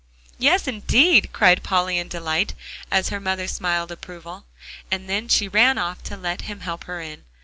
"Yes, indeed," cried Polly in delight, as her mother smiled approval, and she ran off to let him help her in.